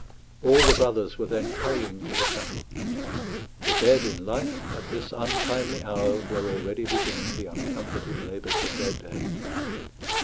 All the brothers were then hurrying to the chapel; the dead in life, at this untimely hour, were already beginning the uncomforted labours of their day.